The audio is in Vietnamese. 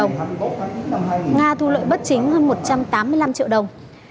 nga thu lợi bất chính hơn một trăm tám mươi năm triệu đồng